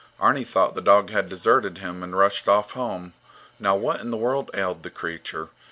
Arni thought the dog had deserted him and rushed off home. Now, what in the world ailed the creature?